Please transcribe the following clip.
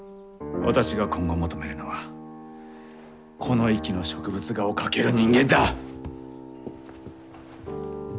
私が今後求めるのはこの域の植物画を描ける人間だ！